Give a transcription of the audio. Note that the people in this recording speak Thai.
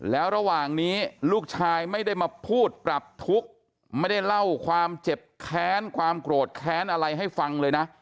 แล้วระหว่างนี้ลูกชายไม่ได้มาพูดปรับทุกข์ไม่ได้เล่าความเจ็บแค้นความโกรธแค้นอะไรให้ฟังเลยนะ